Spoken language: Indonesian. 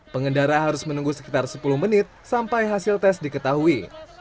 pengendara harus menunggu sekitar sepuluh menit sampai hasil tes diketahui